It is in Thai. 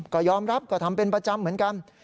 ก็ยอมรับก็ทำเป็นประจำเหมือนกัน